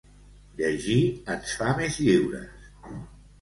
Llegir ens fa més lliures.